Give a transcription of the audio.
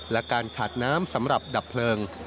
และการขาดน้ำสำหรับดับเพลิง